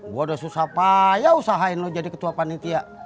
gue udah susah payah usahain lo jadi ketua panitia